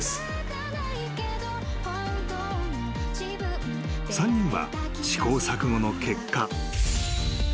［３人は試行錯誤の結果］